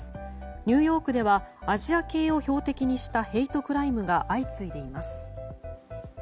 ニューヨークではアジア系を標的にしたヘイトクライムが相次いでいます。